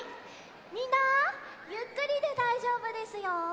みんなゆっくりでだいじょうぶですよ。